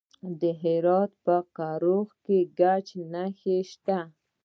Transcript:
د هرات په کرخ کې د ګچ نښې شته.